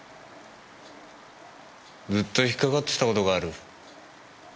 ずっと引っかかってた事がある。